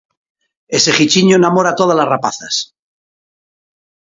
Ese guichiño namora tódalas rapazas